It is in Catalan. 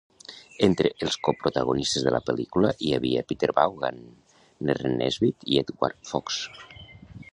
Entre els coprotagonistes de la pel·lícula hi havia Peter Vaughan, Derren Nesbitt i Edward Fox.